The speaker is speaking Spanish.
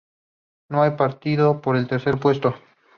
No hay partido por el tercer puesto.